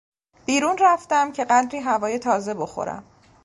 بیرون رفتم که قدری هوای تازه بخورم.